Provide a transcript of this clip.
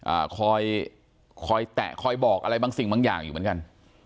อ่าคอยคอยแตะคอยบอกอะไรบางสิ่งบางอย่างอยู่เหมือนกัน